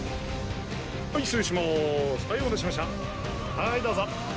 はいどうぞ！